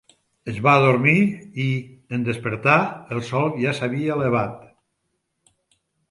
Es va adormir i, en despertar, el sol ja s'havia elevat.